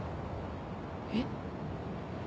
えっ？